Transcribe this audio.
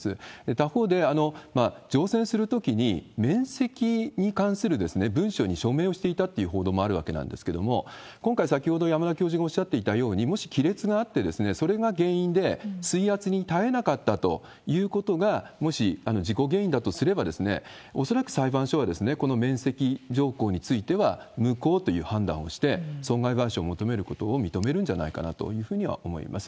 他方で、乗船するときに、免責に関する文書に署名をしていたっていう報道もあるわけなんですけれども、今回、先ほど山田教授がおっしゃっていたように、もし亀裂があって、それが原因で水圧に耐えなかったということが、もし事故原因だとすれば、恐らく裁判所は、この免責条項については無効という判断をして、損害賠償を求めることを認めるんじゃないかなというふうには思います。